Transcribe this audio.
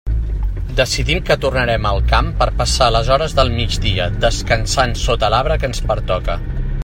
Decidim que tornarem al camp per passar les hores del migdia descansant sota l'arbre que ens pertoca.